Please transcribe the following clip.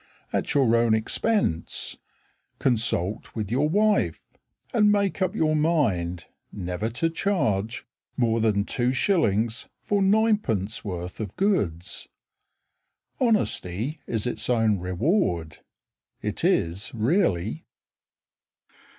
At your own expense, Consult with your wife, And make up your mind Never to charge More than 2s. For 9d. worth of goods. Honesty is its own reward It is really.